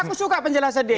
aku suka penjelasan dia